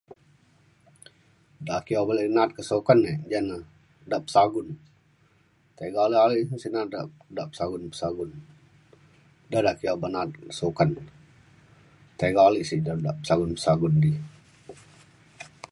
ake obak le na’at ke sukan e ja na dap sagun tiga ale ale si na’at de dap sagun sagun. da dak ki ake obak sukan tiga ale sik de dap sagun sagun di.